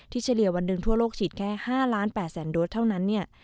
เฉลี่ยวันหนึ่งทั่วโลกฉีดแค่๕ล้าน๘แสนโดสเท่านั้นเนี่ย